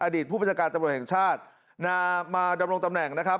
อดีตผู้ประชาการตำรวจแห่งชาติมาดำรงตำแหน่ง